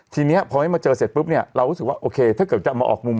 ทีนี้พอไม่มาเจอเสร็จปุ๊บ